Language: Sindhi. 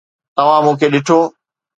توهان مون کي ڏنو